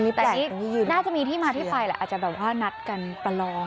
อันนี้แปลกอันนี้ยืนน่าจะมีที่มาที่ไฟล่ะอาจจะแบบว่านัดกันประลอง